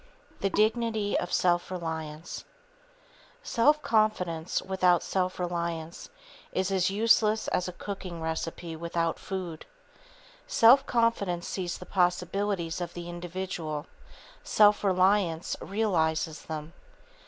IV The Dignity of Self Reliance Self confidence, without self reliance, is as useless as a cooking recipe, without food. Self confidence sees the possibilities of the individual; self reliance realizes them.